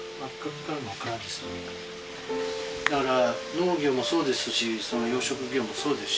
だから農業もそうですし養殖業もそうですし。